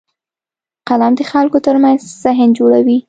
قلم د خلکو ترمنځ ذهن جوړوي